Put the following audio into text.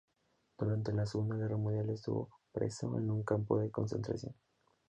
Durante la Segunda Guerra Mundial estuvo preso en un campo de concentración.